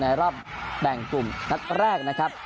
รอบแบ่งกลุ่มนัดแรกนะครับ